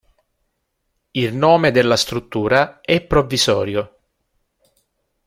Il nome della struttura è provvisorio.